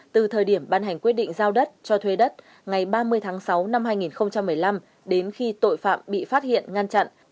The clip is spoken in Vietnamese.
từ thời điểm ban hành quyết định giao đất cho thuê đất ngày ba mươi tháng sáu năm hai nghìn một mươi năm đến khi tội phạm bị phát hiện ngăn chặn